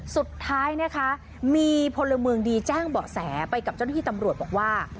สุดท้ายนะคะมีพลเมืองดีแจ้งเบาะแสไปกับเจ้าหน้าที่ตำรวจบอกว่า